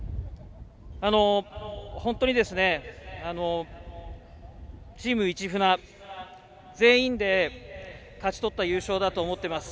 本当にチーム市船全員で勝ち取った優勝だと思っています。